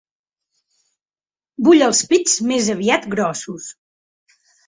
Vull els pits més aviat grossos.